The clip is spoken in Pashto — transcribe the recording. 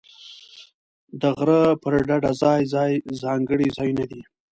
د غره پر ډډه ځای ځای ځانګړي ځایونه دي.